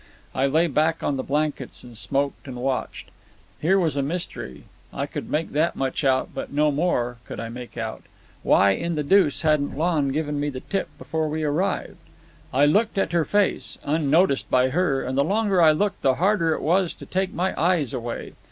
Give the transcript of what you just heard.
I lay back on the blankets and smoked and watched. Here was mystery; I could make that much out, but no more could I make out. Why in the deuce hadn't Lon given me the tip before we arrived? I looked at her face, unnoticed by her, and the longer I looked the harder it was to take my eyes away.